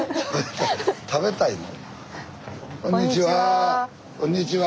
食べたいの？